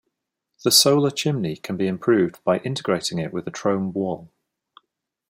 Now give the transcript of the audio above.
The solar chimney can be improved by integrating it with a trombe wall.